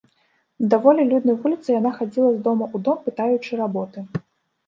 На даволі люднай вуліцы яна хадзіла з дома ў дом, пытаючы работы.